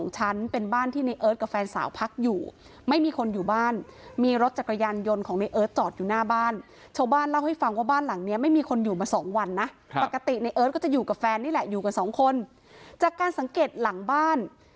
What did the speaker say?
จากการสังเกตหลังบ้าน